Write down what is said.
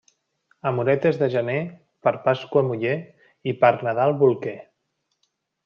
Amoretes de gener, per Pasqua muller i per Nadal bolquer.